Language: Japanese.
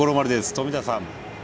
冨田さん